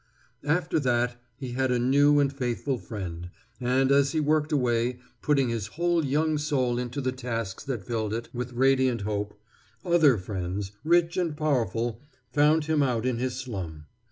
After that he had a new and faithful friend, and, as he worked away, putting his whole young soul into the tasks that filled it with radiant hope, other friends, rich and powerful, found him out in his slum.